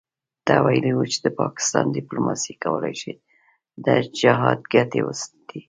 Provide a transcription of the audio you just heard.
ته ویلي وو چې د پاکستان دیپلوماسي کولای شي د جهاد ګټې وساتي.